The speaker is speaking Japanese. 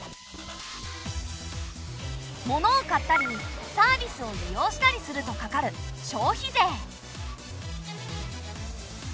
モノを買ったりサービスを利用したりするとかかる消費税。